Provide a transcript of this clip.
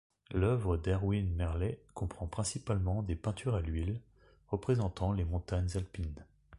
L'œuvre d'Erwin Merlet comprend principalement des peintures à l'huile représentant les montagnes alpines.